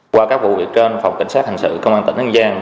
qua các vụ việc trên phòng cảnh sát hành sự công an tỉnh hân giang